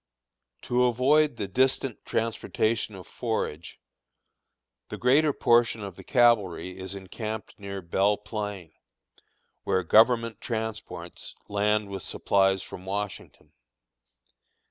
To avoid the distant transportation of forage, the greater portion of the cavalry is encamped near Belle Plain, where government transports land with supplies from Washington.